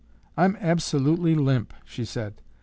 "I'm absolutely limp," she said.